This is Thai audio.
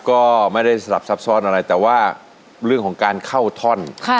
ก็ไม่ได้สลับซับซ้อนอะไรแต่ว่าเรื่องของการเข้าท่อน